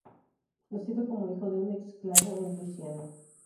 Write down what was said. Nacido como hijo de un ex esclavo en Luisiana.